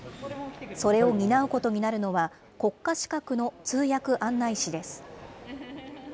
それを担うことになるのは、国家資格の通訳案内士です。